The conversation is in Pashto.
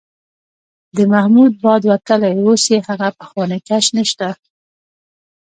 د محمود باد وتلی، اوس یې هغه پخوانی کش نشته.